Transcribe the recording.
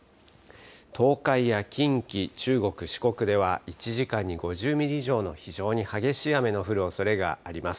東海や近畿、中国、四国では、１時間に５０ミリ以上の非常に激しい雨の降るおそれがあります。